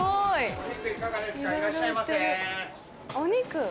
お肉？